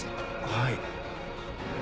はい。